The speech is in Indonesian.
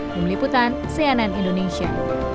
memeliputan cnn indonesia